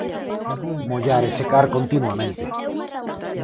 Mollar e secar continuamente.